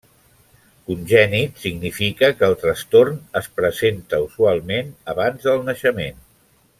Congènit significa que el trastorn es presenta usualment abans del naixement.